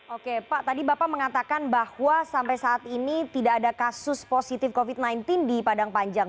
oke pak tadi bapak mengatakan bahwa sampai saat ini tidak ada kasus positif covid sembilan belas di padang panjang